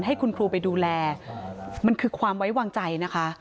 ให้คุณครูไปดูแลมันคือความไว้วางใจนะคะ